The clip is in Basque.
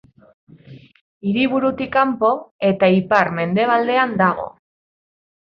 Hiriburutik kanpo eta ipar-mendebaldean dago.